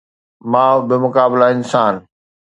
ماء بمقابله انسان